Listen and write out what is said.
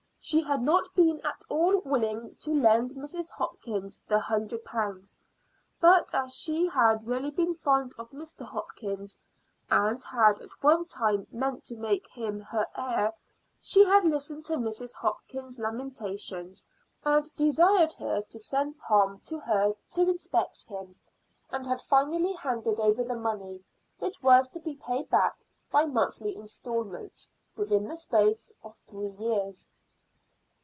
She had not been at all willing to lend Mrs. Hopkins the hundred pounds; but as she had really been fond of Mr. Hopkins, and had at one time meant to make him her heir, she had listened to Mrs. Hopkins's lamentations, and desired her to send Tom to her to inspect him, and had finally handed over the money, which was to be paid back by monthly installments within the space of three years.